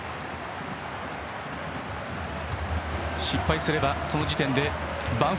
失敗すれば、その時点でヴァン